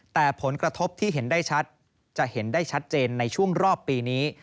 แต่ผลกระทบที่เห็นได้ชัดจะเห็นได้ชัดเจนในช่วงรอบปีนี้